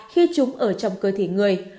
khi chúng ở trong cơ thể người